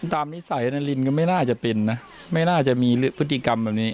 นิสัยนารินก็ไม่น่าจะเป็นนะไม่น่าจะมีพฤติกรรมแบบนี้